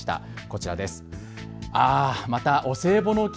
こちらです。